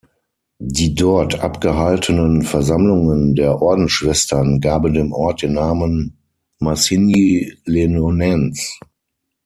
Die dort abgehaltenen Versammlungen der Ordensschwestern gaben dem Ort den Namen "Marcigny-les-Nonnains".